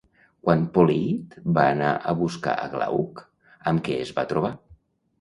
Quan Poliïd va anar a buscar a Glauc, amb què es va trobar?